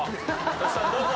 トシさんどうぞ。